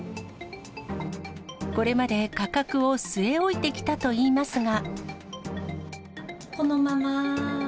これまで価格を据え置いてきたといいますが。